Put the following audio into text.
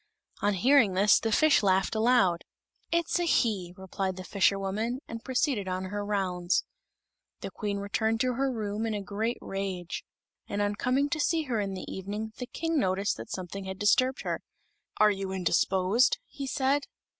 On hearing this the fish laughed aloud. "It's a he," replied the fisherwoman, and proceeded on her rounds. The Queen returned to her room in a great rage; and on coming to see her in the evening, the King noticed that something had disturbed her. "Are you indisposed?" he said.